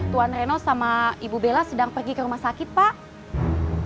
tuan reno sama ibu bella sedang pergi ke rumah sakit pak